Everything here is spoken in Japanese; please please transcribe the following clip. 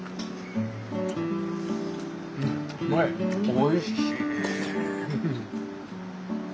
おいしい。